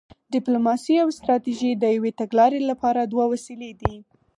ډیپلوماسي او ستراتیژي د یوې تګلارې لپاره دوه وسیلې دي